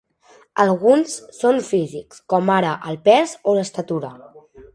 Alguns són físics, com ara el pes o l'estatura.